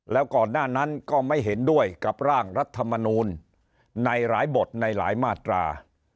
แล้วก่อนหน้านั้นก็ไม่เห็นด้วยกับร่างรัฐมนูลในหลายบทในหลายมาตรา